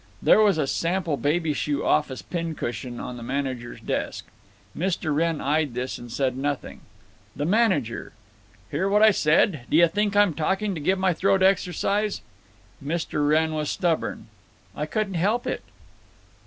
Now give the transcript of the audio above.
There was a sample baby shoe office pin cushion on the manager's desk. Mr. Wrenn eyed this, and said nothing. The manager: "Hear what I said? D'yuh think I'm talking to give my throat exercise?" Mr. Wrenn was stubborn. "I couldn't help it."